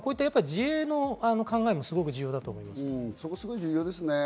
自衛の考えもすごく重要だと思います。